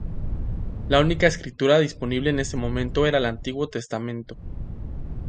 La única Escritura disponible en ese momento era el Antiguo Testamento.